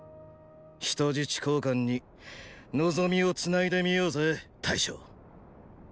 “人質交換”に望みをつないでみようぜ大将。